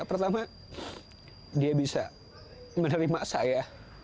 pertama dia bisa menerima saya